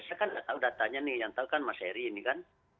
saya kan sudah tanya nih yang tahu kan mas heri ini kan